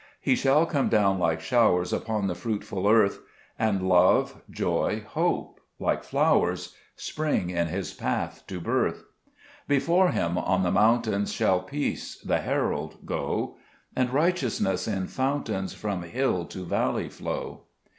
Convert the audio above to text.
2 He shall come down like showers Upon the fruitful earth ; And love, joy, hope, like Rowers, Spring in His path to birth ; Before Him on the mountains Shall peace, the herald, go, And righteousness, in fountains, From hill to valley flow.